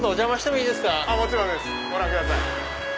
もちろんですご覧ください。